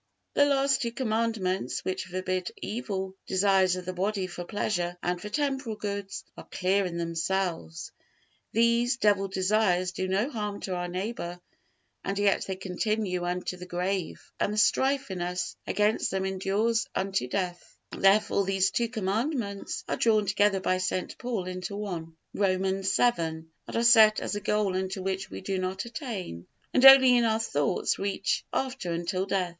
The last two Commandments, which forbid evil desires of the body for pleasure and for temporal goods, are clear in themselves; these evil desires do no harm to our neighbor, and yet they continue unto the grave, and the strife in us against them endures unto death; therefore these two Commandments are drawn together by St. Paul into one, Romans vii, and are set as a goal unto which we do not attain, and only in our thoughts reach after until death.